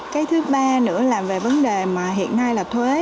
cái thứ ba nữa là về vấn đề mà hiện nay là thuế